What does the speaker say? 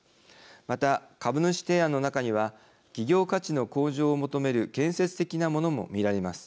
また株主提案の中には企業価値の向上を求める建設的なものも見られます。